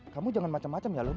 kamu jangan macem macem ya lune